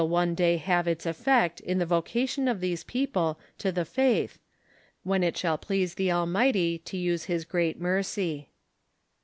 169 one day have its oiToct in tho vocation of those pooplo fo the faith, when it shall please tho Almighty to uso his groat mercy.